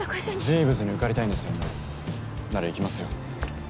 ジーヴズに受かりたいんですよねなら行きますよ。